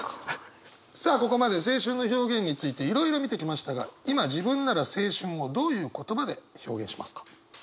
さあここまで青春の表現についていろいろ見てきましたが今自分なら青春をどういう言葉で表現しますか？